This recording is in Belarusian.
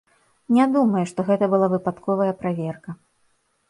Не думаю, што гэта была выпадковая праверка.